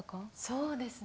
そうですね